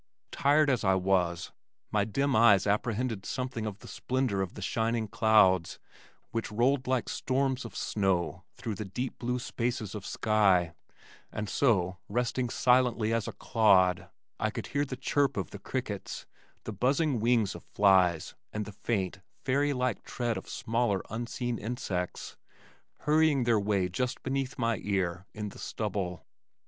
Tired as I was, my dim eyes apprehended something of the splendor of the shining clouds which rolled like storms of snow through the deep blue spaces of sky and so, resting silently as a clod I could hear the chirp of the crickets, the buzzing wings of flies and the faint, fairylike tread of smaller unseen insects hurrying their way just beneath my ear in the stubble.